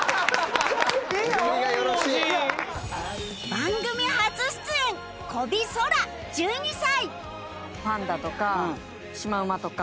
番組初出演小尾颯１２歳